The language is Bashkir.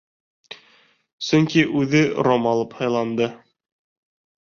Сөнки үҙе ром алып һыйланды.